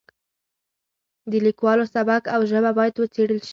د لیکوالو سبک او ژبه باید وڅېړل شي.